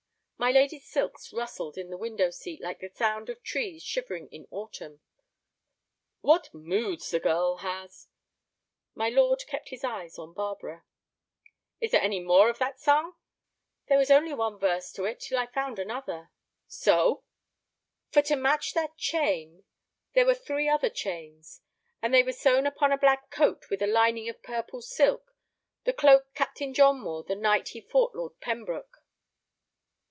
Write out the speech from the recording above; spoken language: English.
My lady's silks rustled in the window seat like the sound of trees shivering in autumn. "What moods the girl has!" My lord kept his eyes on Barbara. "Is there any more of that song?" "There was only one verse to it till I found another." "So!" "For to match that chain—there were three other chains. And they were sewn upon a black cloak with a lining of purple silk, the cloak Captain John wore the night he fought Lord Pembroke."